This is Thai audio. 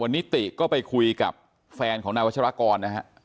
วันนี้ติก็ไปคุยกับแฟนของนายวัชรากรนะฮะ